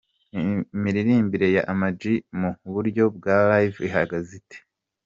Imiririmbire ya Ama G mu buryo bwa Live ihagaze ite ?.